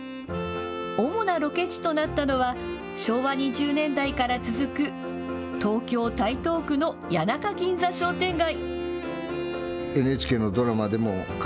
主なロケ地となったのは昭和２０年代から続く東京・台東区の谷中銀座商店街。